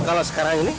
kalau sekarang ini